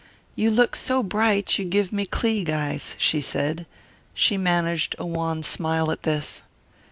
"You look so bright you give me Kleig eyes," she said. She managed a wan smile at this.